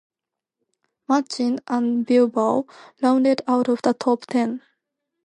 Martin and Bilbao rounded out the top ten.